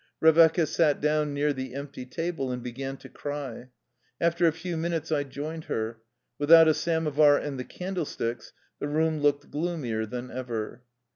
Revecca sat down near the empty table and began to cry. After a few minutes I joined her. Without a samovar and the candlesticks the room looked gloomier than ever.